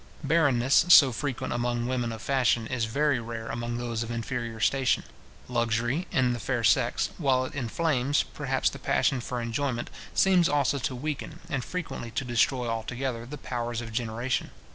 Barrenness, so frequent among women of fashion, is very rare among those of inferior station. Luxury, in the fair sex, while it inflames, perhaps, the passion for enjoyment, seems always to weaken, and frequently to destroy altogether, the powers of generation.